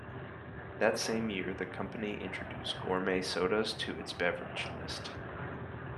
That same year, the company introduced gourmet sodas to its beverage list.